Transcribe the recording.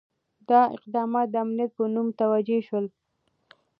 دا اقدامات د امنیت په نوم توجیه شول.